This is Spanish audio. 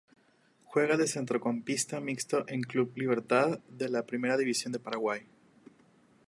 Juega de Centrocampista mixto en Club Libertad de la Primera División de Paraguay.